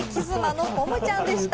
キス魔のポムちゃんでした。